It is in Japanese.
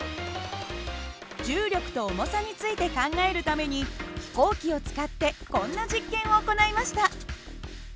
重力と重さについて考えるために飛行機を使ってこんな実験を行いました。